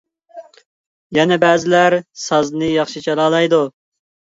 يەنە بەزىلەر سازنى ياخشى چالالايدۇ.